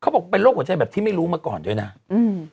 บอกเป็นโรคหัวใจแบบที่ไม่รู้มาก่อนด้วยนะอืม